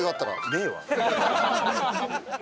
ねえわ！